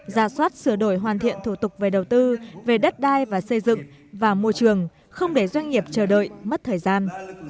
ra soát sửa đổi hoàn thiện thủ tục về đầu tư về đất đai và xây dựng và môi trường không để doanh nghiệp chờ đợi mất thời gian